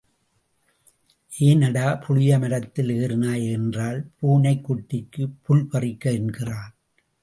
ஏன் அடா புளிய மரத்தில் ஏறினாய் என்றால் பூனைக் குட்டிக்குப் புல்பறிக்க என்கிறான்.